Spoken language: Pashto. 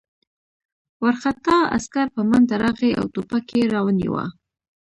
وارخطا عسکر په منډه راغی او ټوپک یې را ونیاوه